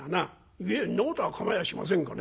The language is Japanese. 「いえそんなことは構やしませんがね